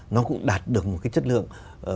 nó cũng đạt được một cái chất lượng